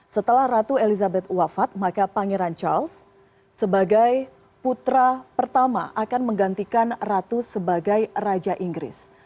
setelah ratu elizabeth wafat maka pangeran charles sebagai putra pertama akan menggantikan ratu sebagai raja inggris